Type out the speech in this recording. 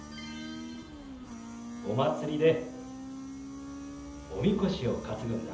お祭りでおみこしを担ぐんだ。